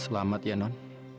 selamat ya non